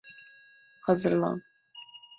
Hazırlan.